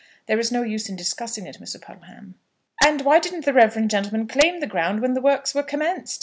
There is no use in discussing it, Mr. Puddleham." "And why didn't the reverend gentleman claim the ground when the works were commenced?"